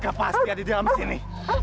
sudah pasti ada di dalam sini